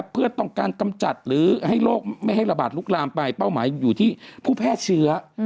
เพื่อต้องการกำจัดหรือให้โรคไม่ให้ระบาดลุกลามไปเป้าหมายอยู่ที่ผู้แพร่เชื้อ